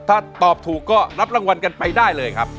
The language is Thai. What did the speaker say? ถ้าตอบถูกก็รับรางวัลกันไปได้เลยครับ